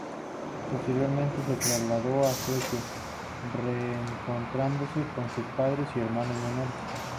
Posteriormente se trasladó a Suecia, reencontrándose con sus padres y hermanos menores.